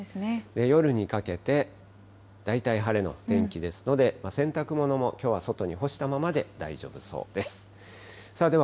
夜にかけて、大体晴れの天気ですので、洗濯物も、きょうは外に干したままで大丈夫そうです。